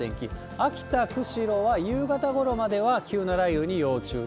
秋田、釧路は夕方ごろまでは急な雷雨に要注意。